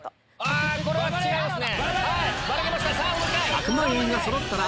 あこれは違いますね。